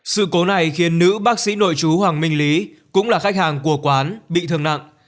sự cố này khiến nữ bác sĩ nội chú hoàng minh lý cũng là khách hàng của quán bị thương nặng